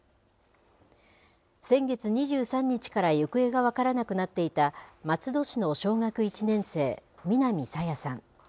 先月２３日から行方が分からなくなっていた、松戸市の小学１年生、南朝芽さん。